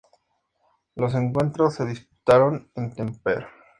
Todos los encuentros se disputaron en Tampere.